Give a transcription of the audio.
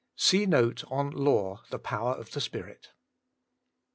(See note on Law, The Power 0} the Spirit.)